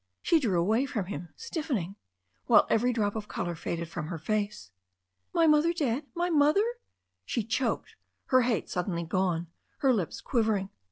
She drew away from him, stiffening, while every drop of colour faded from her face. "My mother dead, my mother !" she choked, her hate sud denly gone, her lips quivering.